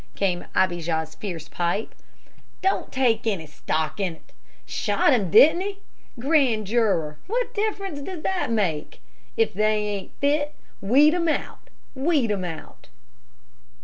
came Abijah's fierce pipe. "Don't take any stock in 't. Shot him, didn't he? Grand juror what difference does that make? If they ain't fit, weed 'em out weed 'em out!"